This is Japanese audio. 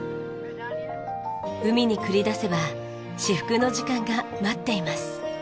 海に繰り出せば至福の時間が待っています。